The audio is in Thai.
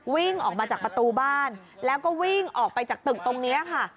วิ่งออกมาจากประตูบ้านแล้วก็วิ่งออกไปจากตึกตรงนี้ค่ะ